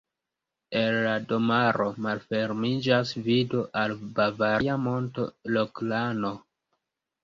El la domaro malfermiĝas vido al bavaria monto Roklano.